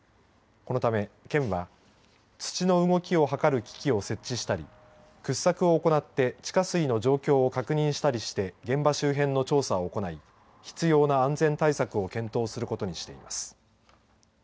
このため県は土の動きを測る機器を設置したり掘削を行って地下水の状況を確認したりして現場周辺の調査を行い必要な安全対策を検討することにしています。